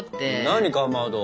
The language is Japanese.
何かまど！